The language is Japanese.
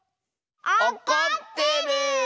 おこってる！